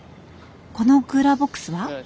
このクーラーボックスは？